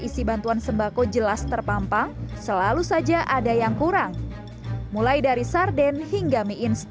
isi bantuan sembako jelas terpampang selalu saja ada yang kurang mulai dari sarden hingga mie instan